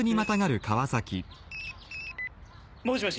もしもし。